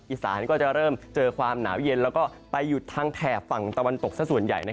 อีสานก็จะเริ่มเจอความหนาวเย็นแล้วก็ไปหยุดทางแถบฝั่งตะวันตกสักส่วนใหญ่